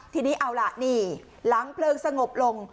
ทีนี้เอาล่ะนี่หลังเพลิงสงบลง